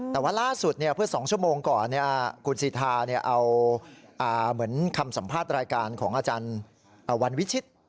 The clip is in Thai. แต่ว่าล่าสุดเมื่อ๒ชั่วโมงก่อนคุณสิทธาเอาเหมือนคำสัมภาษณ์รายการของอาจารย์วันวิชิต